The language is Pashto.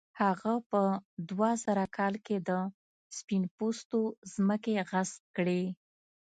هغه په دوه زره کال کې د سپین پوستو ځمکې غصب کړې.